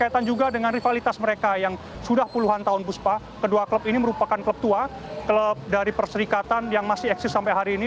dan juga dengan rivalitas mereka yang sudah puluhan tahun puspa kedua klub ini merupakan klub tua klub dari perserikatan yang masih eksis sampai hari ini